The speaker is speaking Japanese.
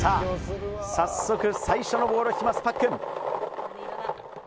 早速、最初のボールを引きますパックン。